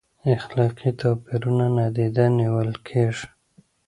اخلاقي توپیرونه نادیده نیول کیږي؟